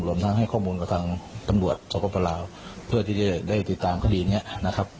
ทั้งให้ข้อมูลกับทางตำรวจสปลาวเพื่อที่จะได้ติดตามคดีนี้นะครับ